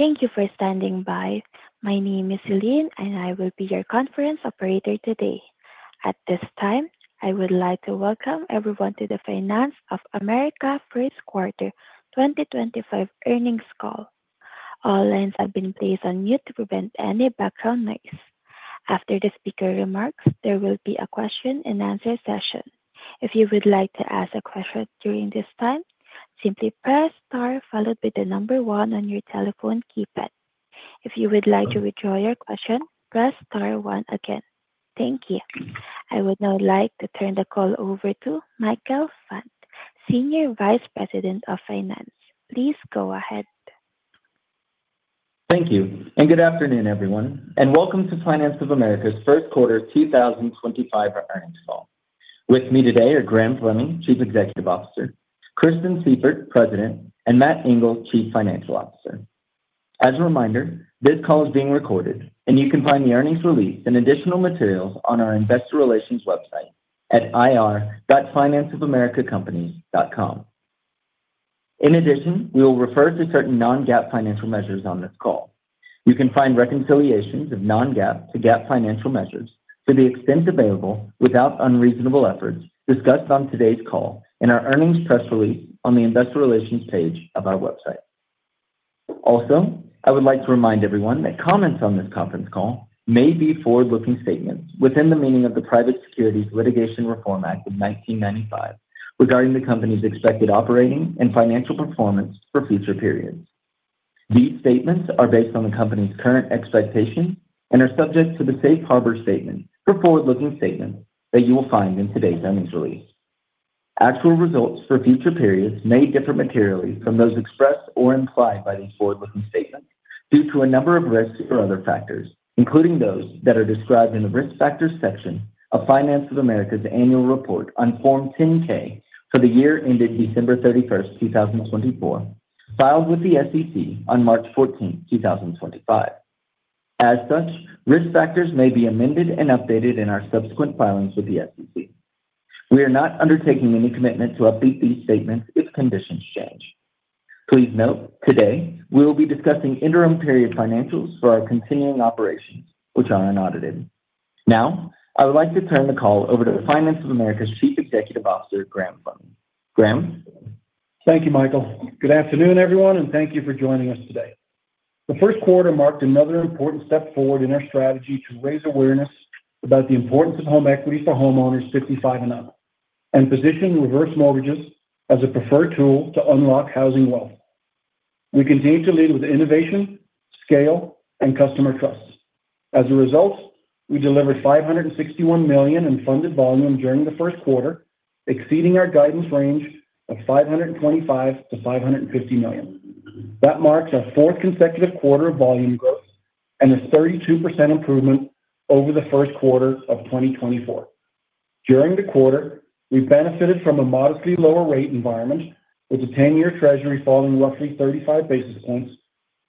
Thank you for standing by. My name is Celine, and I will be your conference operator today. At this time, I would like to welcome everyone to the Finance of America first quarter 2025 earnings call. All lines have been placed on mute to prevent any background noise. After the speaker remarks, there will be a question-and-answer session. If you would like to ask a question during this time, simply press star followed by the number one on your telephone keypad. If you would like to withdraw your question, press star one again. Thank you. I would now like to turn the call over to Michael Fant, Senior Vice President of Finance. Please go ahead. Thank you, and good afternoon, everyone, and welcome to Finance of America's first quarter 2025 earnings call. With me today are Graham Fleming, Chief Executive Officer; Kristen Sieffert, President; and Matt Engel, Chief Financial Officer. As a reminder, this call is being recorded, and you can find the earnings release and additional materials on our Investor Relations website at ir.financeofamericacompanies.com. In addition, we will refer to certain non-GAAP financial measures on this call. You can find reconciliations of non-GAAP to GAAP financial measures to the extent available without unreasonable efforts discussed on today's call in our earnings press release on the Investor Relations page of our website. Also, I would like to remind everyone that comments on this conference call may be forward-looking statements within the meaning of the Private Securities Litigation Reform Act of 1995 regarding the company's expected operating and financial performance for future periods. These statements are based on the company's current expectations and are subject to the Safe Harbor Statement for forward-looking statements that you will find in today's earnings release. Actual results for future periods may differ materially from those expressed or implied by these forward-looking statements due to a number of risks or other factors, including those that are described in the risk factors section of Finance of America's annual report on Form 10-K for the year ended December 31st 2024, filed with the SEC on March 14, 2025. As such, risk factors may be amended and updated in our subsequent filings with the SEC. We are not undertaking any commitment to update these statements if conditions change. Please note, today we will be discussing interim period financials for our continuing operations, which are unaudited. Now, I would like to turn the call over to Finance of America's Chief Executive Officer, Graham Fleming. Graham. Thank you, Michael. Good afternoon, everyone, and thank you for joining us today. The first quarter marked another important step forward in our strategy to raise awareness about the importance of home equity for homeowners 55 and up and position reverse mortgages as a preferred tool to unlock housing wealth. We continue to lead with innovation, scale, and customer trust. As a result, we delivered $561 million in funded volume during the first quarter, exceeding our guidance range of $525-$550 million. That marks our fourth consecutive quarter of volume growth and a 32% improvement over the first quarter of 2024. During the quarter, we benefited from a modestly lower rate environment, with the 10-year treasury falling roughly 35 basis points,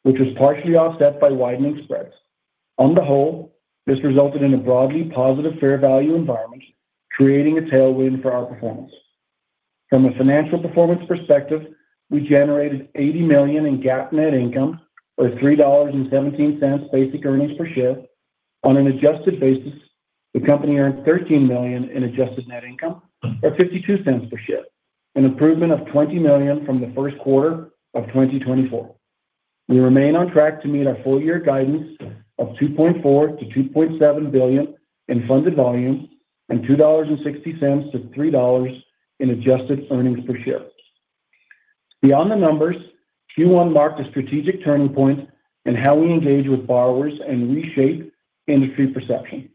which was partially offset by widening spreads. On the whole, this resulted in a broadly positive fair value environment, creating a tailwind for our performance. From a financial performance perspective, we generated $80 million in GAAP net income or $3.17 basic earnings per share. On an adjusted basis, the company earned $13 million in adjusted net income or $0.52 per share, an improvement of $20 million from the first quarter of 2024. We remain on track to meet our full-year guidance of $2.4 billion-$2.7 billion in funded volume and $2.60-$3 in adjusted earnings per share. Beyond the numbers, Q1 marked a strategic turning point in how we engage with borrowers and reshape industry perception.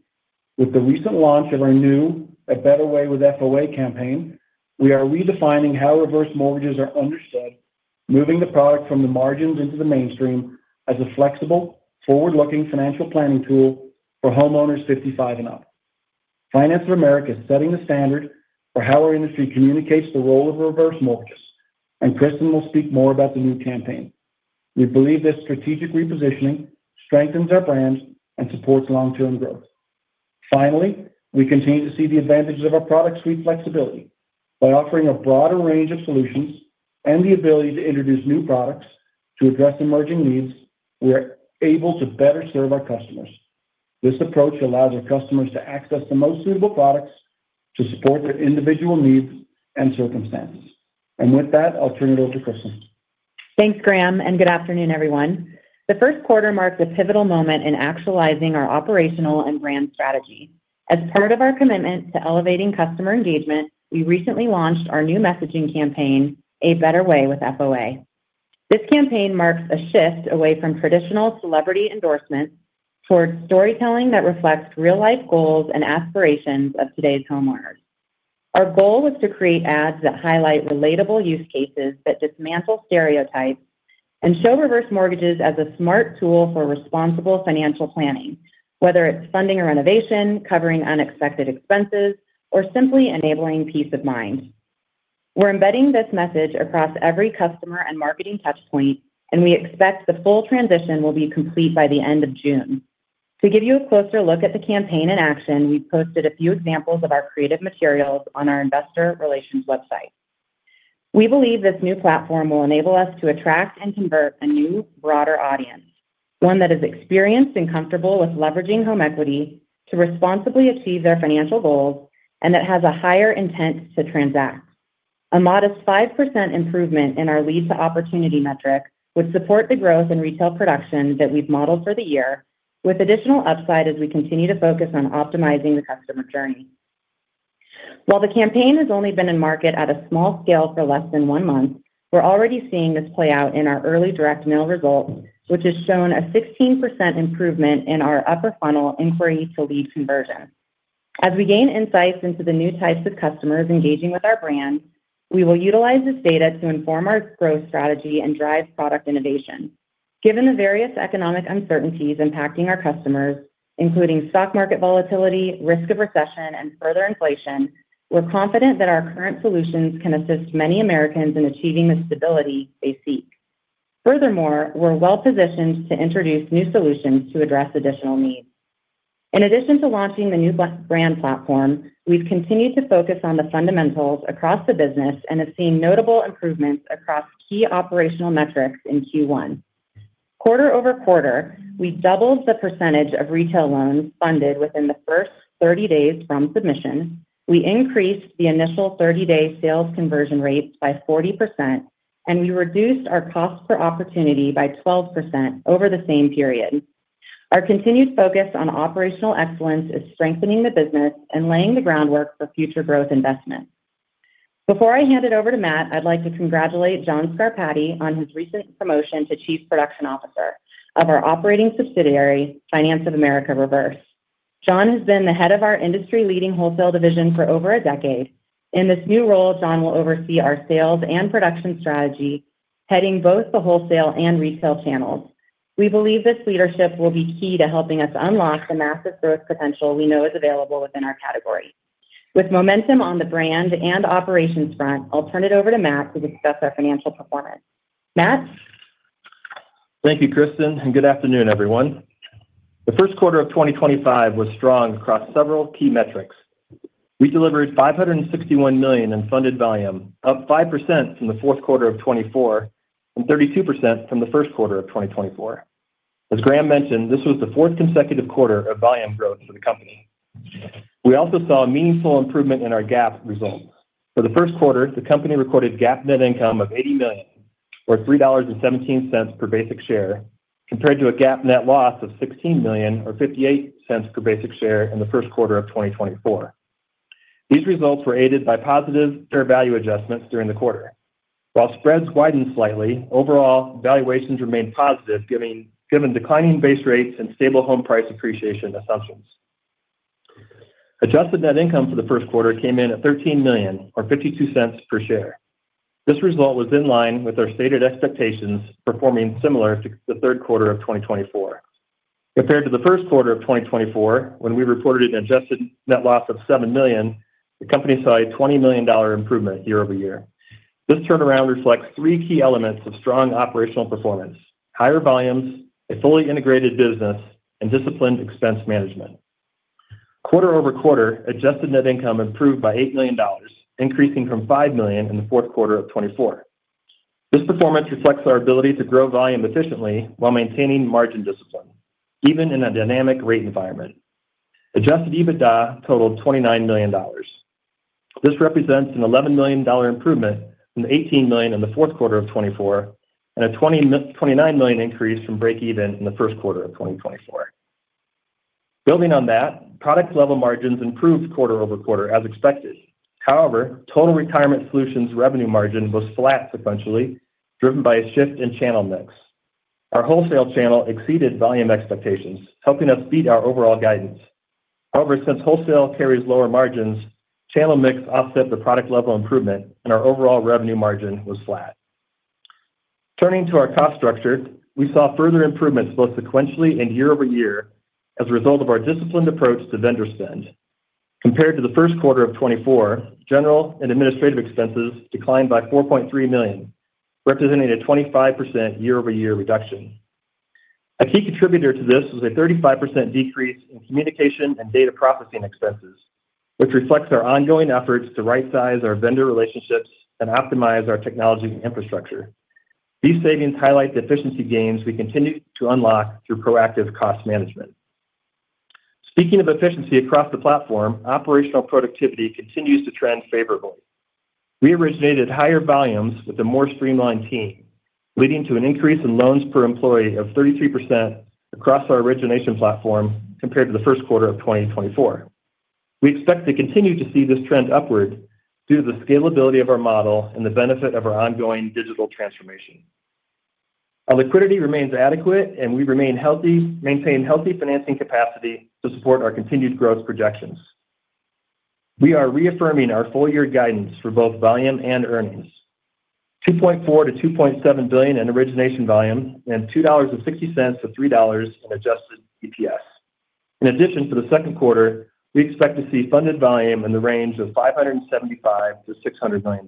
With the recent launch of our new A Better Way with FOA campaign, we are redefining how reverse mortgages are understood, moving the product from the margins into the mainstream as a flexible, forward-looking financial planning tool for homeowners 55 and up. Finance of America is setting the standard for how our industry communicates the role of reverse mortgages, and Kristen will speak more about the new campaign. We believe this strategic repositioning strengthens our brand and supports long-term growth. Finally, we continue to see the advantages of our product suite flexibility by offering a broader range of solutions and the ability to introduce new products to address emerging needs. We are able to better serve our customers. This approach allows our customers to access the most suitable products to support their individual needs and circumstances. With that, I'll turn it over to Kristen. Thanks, Graham, and good afternoon, everyone. The first quarter marked a pivotal moment in actualizing our operational and brand strategy. As part of our commitment to elevating customer engagement, we recently launched our new messaging campaign, A Better Way with FOA. This campaign marks a shift away from traditional celebrity endorsements towards storytelling that reflects real-life goals and aspirations of today's homeowners. Our goal was to create ads that highlight relatable use cases that dismantle stereotypes and show reverse mortgages as a smart tool for responsible financial planning, whether it's funding a renovation, covering unexpected expenses, or simply enabling peace of mind. We're embedding this message across every customer and marketing touchpoint, and we expect the full transition will be complete by the end of June. To give you a closer look at the campaign in action, we posted a few examples of our creative materials on our Investor Relations website. We believe this new platform will enable us to attract and convert a new, broader audience, one that is experienced and comfortable with leveraging home equity to responsibly achieve their financial goals and that has a higher intent to transact. A modest 5% improvement in our lead-to-opportunity metric would support the growth in retail production that we've modeled for the year, with additional upside as we continue to focus on optimizing the customer journey. While the campaign has only been in market at a small scale for less than one month, we're already seeing this play out in our early direct mail results, which have shown a 16% improvement in our upper funnel inquiry-to-lead conversion. As we gain insights into the new types of customers engaging with our brand, we will utilize this data to inform our growth strategy and drive product innovation. Given the various economic uncertainties impacting our customers, including stock market volatility, risk of recession, and further inflation, we're confident that our current solutions can assist many Americans in achieving the stability they seek. Furthermore, we're well-positioned to introduce new solutions to address additional needs. In addition to launching the new brand platform, we've continued to focus on the fundamentals across the business and have seen notable improvements across key operational metrics in Q1. Quarter-over-quarter, we doubled the percentage of retail loans funded within the first 30 days from submission. We increased the initial 30-day sales conversion rates by 40%, and we reduced our cost per opportunity by 12% over the same period. Our continued focus on operational excellence is strengthening the business and laying the groundwork for future growth investments. Before I hand it over to Matt, I'd like to congratulate John Scarpati on his recent promotion to Chief Production Officer of our operating subsidiary, Finance of America Reverse. John has been the head of our industry-leading wholesale division for over a decade. In this new role, John will oversee our sales and production strategy, heading both the wholesale and retail channels. We believe this leadership will be key to helping us unlock the massive growth potential we know is available within our category. With momentum on the brand and operations front, I'll turn it over to Matt to discuss our financial performance. Matt. Thank you, Kristen, and good afternoon, everyone. The first quarter of 2025 was strong across several key metrics. We delivered $561 million in funded volume, up 5% from the fourth quarter of 2024 and 32% from the first quarter of 2024. As Graham mentioned, this was the fourth consecutive quarter of volume growth for the company. We also saw a meaningful improvement in our GAAP results. For the first quarter, the company recorded GAAP net income of $80 million, or $3.17 per basic share, compared to a GAAP net loss of $16 million, or $0.58 per basic share in the first quarter of 2024. These results were aided by positive fair value adjustments during the quarter. While spreads widened slightly, overall valuations remained positive, given declining base rates and stable home price appreciation assumptions. Adjusted net income for the first quarter came in at $13 million, or $0.52 per share. This result was in line with our stated expectations, performing similar to the third quarter of 2024. Compared to the first quarter of 2024, when we reported an adjusted net loss of $7 million, the company saw a $20 million improvement year-over-year. This turnaround reflects three key elements of strong operational performance: higher volumes, a fully integrated business, and disciplined expense management. Quarter-over-quarter, adjusted net income improved by $8 million, increasing from $5 million in the fourth quarter of 2024. This performance reflects our ability to grow volume efficiently while maintaining margin discipline, even in a dynamic rate environment. Adjusted EBITDA totaled $29 million. This represents an $11 million improvement from the $18 million in the fourth quarter of 2024 and a $29 million increase from break-even in the first quarter of 2024. Building on that, product-level margins improved quarter-over-quarter, as expected. However, total Retirement Solutions' revenue margin was flat sequentially, driven by a shift in channel mix. Our wholesale channel exceeded volume expectations, helping us beat our overall guidance. However, since wholesale carries lower margins, channel mix offset the product-level improvement, and our overall revenue margin was flat. Turning to our cost structure, we saw further improvements both sequentially and year-over-year as a result of our disciplined approach to vendor spend. Compared to the first quarter of 2024, general and administrative expenses declined by $4.3 million, representing a 25% year-over-year reduction. A key contributor to this was a 35% decrease in communication and data processing expenses, which reflects our ongoing efforts to right-size our vendor relationships and optimize our technology infrastructure. These savings highlight the efficiency gains we continue to unlock through proactive cost management. Speaking of efficiency across the platform, operational productivity continues to trend favorably. We originated higher volumes with a more streamlined team, leading to an increase in loans per employee of 33% across our origination platform compared to the first quarter of 2024. We expect to continue to see this trend upward due to the scalability of our model and the benefit of our ongoing digital transformation. Our liquidity remains adequate, and we remain healthy, maintaining healthy financing capacity to support our continued growth projections. We are reaffirming our full-year guidance for both volume and earnings: $2.4 billion-$2.7 billion in origination volume and $2.60-$3 in adjusted EPS. In addition, for the second quarter, we expect to see funded volume in the range of $575 million-$600 million.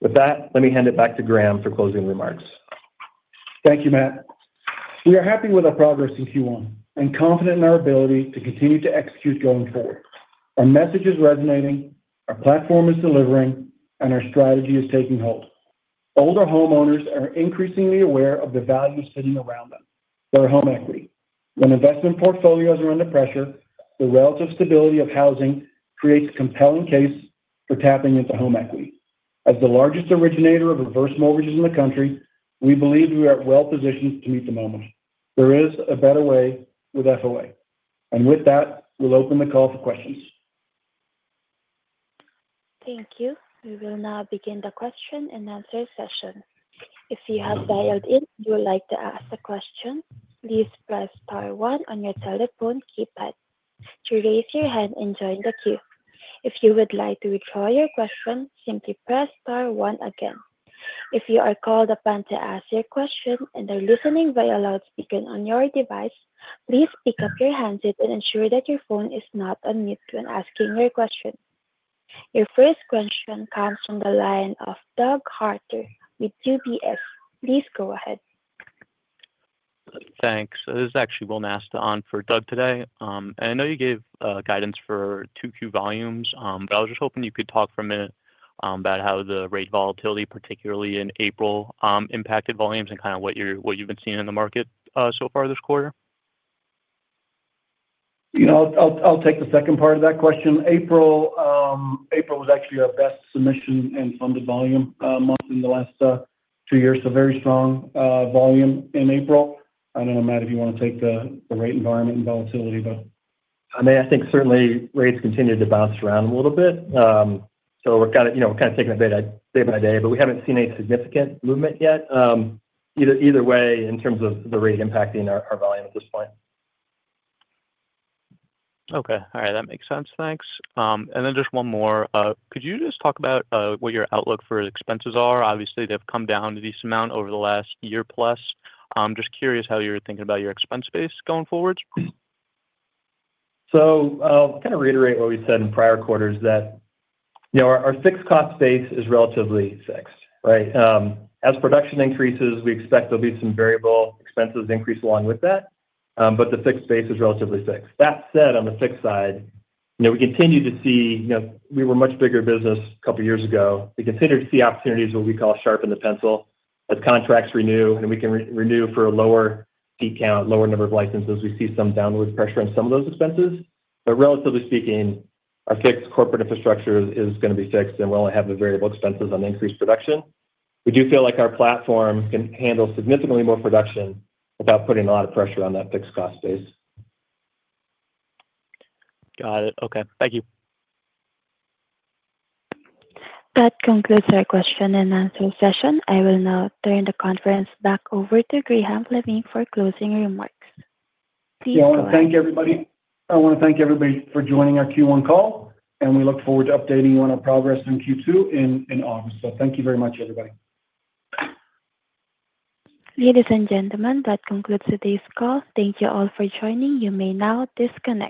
With that, let me hand it back to Graham for closing remarks. Thank you, Matt. We are happy with our progress in Q1 and confident in our ability to continue to execute going forward. Our message is resonating, our platform is delivering, and our strategy is taking hold. Older homeowners are increasingly aware of the value sitting around them for home equity. When investment portfolios are under pressure, the relative stability of housing creates a compelling case for tapping into home equity. As the largest originator of reverse mortgages in the country, we believe we are well-positioned to meet the moment. There is a better way with FOA. With that, we'll open the call for questions. Thank you. We will now begin the question-and-answer session. If you have dialed in and would like to ask a question, please press star one on your telephone keypad to raise your hand and join the queue. If you would like to withdraw your question, simply press star one again. If you are called upon to ask your question and are listening via loudspeaker on your device, please pick up your handset and ensure that your phone is not unmuted when asking your question. Your first question comes from the line of Doug Harter with UBS. Please go ahead. Thanks. This is actually Will Nasta on for Doug today. I know you gave guidance for 2Q volumes, but I was just hoping you could talk for a minute about how the rate volatility, particularly in April, impacted volumes and kind of what you've been seeing in the market so far this quarter? You know, I'll take the second part of that question. April was actually our best submission and funded volume month in the last two years, so very strong volume in April. I don't know, Matt, if you want to take the rate environment and volatility, but. I mean, I think certainly rates continue to bounce around a little bit. We are kind of taking it day by day, but we have not seen any significant movement yet, either way, in terms of the rate impacting our volume at this point. Okay. All right. That makes sense. Thanks. And then just one more. Could you just talk about what your outlook for expenses are? Obviously, they've come down a decent amount over the last year plus. Just curious how you're thinking about your expense base going forward? I'll kind of reiterate what we said in prior quarters, that our fixed cost base is relatively fixed, right? As production increases, we expect there'll be some variable expenses increase along with that, but the fixed base is relatively fixed. That said, on the fixed side, we continue to see we were a much bigger business a couple of years ago. We continue to see opportunities, what we call sharpen the pencil, as contracts renew and we can renew for a lower fee count, lower number of licenses. We see some downward pressure on some of those expenses. Relatively speaking, our fixed corporate infrastructure is going to be fixed and we'll only have variable expenses on increased production. We do feel like our platform can handle significantly more production without putting a lot of pressure on that fixed cost base. Got it. Okay. Thank you. That concludes our question-and-answer session. I will now turn the conference back over to Graham Fleming for closing remarks. Please go ahead. Thank you, everybody. I want to thank everybody for joining our Q1 call, and we look forward to updating you on our progress in Q2 in August. Thank you very much, everybody. Ladies and gentlemen, that concludes today's call. Thank you all for joining. You may now disconnect.